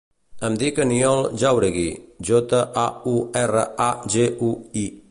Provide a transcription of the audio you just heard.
Em dic Aniol Jauregui: jota, a, u, erra, e, ge, u, i.